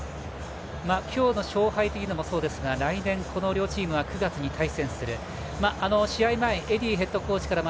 今日の勝敗というのもそうですが来年、この両チームは９月に対戦する。